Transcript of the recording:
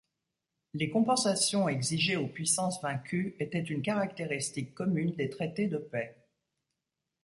Les compensations exigées aux puissances vaincues était une caractéristique commune des traités de paix.